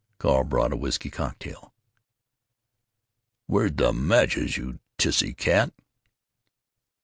Carl brought a whisky cocktail. "Where's de matches, you tissy cat?"